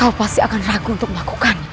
aku masih akan ragu untuk melakukannya